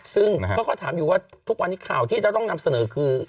ซึ่งเขาก็ถามอยู่ว่าทุกวันนี้ข่าวที่จะต้องนำเสนอคือ